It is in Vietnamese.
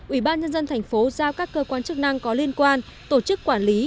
ủy ban nhân dân thành phố giao các cơ quan chức năng có liên quan tổ chức quản lý